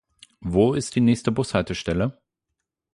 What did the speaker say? Wo ist die nächste Bushaltestelle?